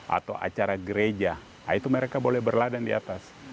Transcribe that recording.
atau acara gereja nah itu mereka boleh berladang di atas